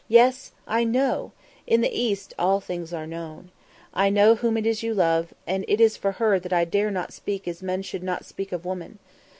Yes! I know; in the East all things are known. I know whom it is you love, and it is for her that I dare speak as men should not speak of woman.